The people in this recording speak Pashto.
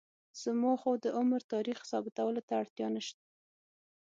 زما خو د عمر تاریخ ثابتولو ته اړتیا نشته.